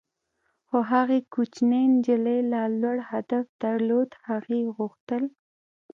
خو هغې کوچنۍ نجلۍ لا لوړ هدف درلود - هغې غوښتل.